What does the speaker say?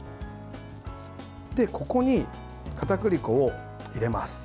ここにかたくり粉を入れます。